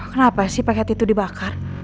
kenapa sih paket itu dibakar